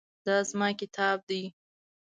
دا زما کتاب دی